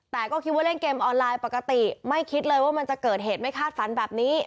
แต่ก็คิดว่าเล่นเกมออนไลน์ปกติไม่คิดเลยว่ามันจะเกิดเหตุไม่คาดฝันแบบนี้